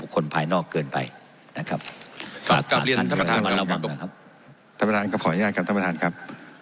คนภายนอกเกินไปนะครับ